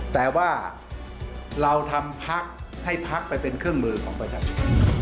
แต่ว่าเราทำพักให้พักไปเป็นเครื่องมือของประชาชน